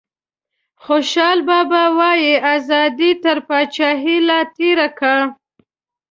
خوشحال بابا وايي ازادي تر پاچاهیه لا تیری کا.